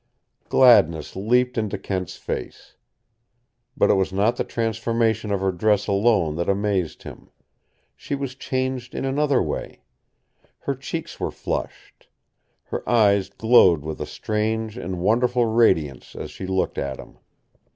Gladness leaped into Kent's face. But it was not the transformation of her dress alone that amazed him. She was changed in another way. Her cheeks were flushed. Her eyes glowed with a strange and wonderful radiance as she looked at him.